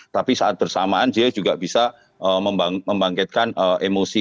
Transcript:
tapi saat bersamaan dia juga bisa membangkitkan emosi